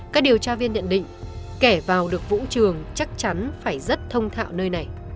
các điều tra viên nhận định kẻ vào được vũ trường chắc chắn phải rất thông thạo nơi này